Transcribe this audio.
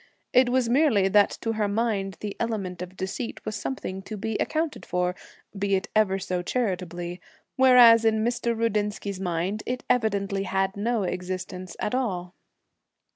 It was merely that to her mind the element of deceit was something to be accounted for, be it ever so charitably, whereas in Mr. Rudinsky's mind it evidently had no existence at all.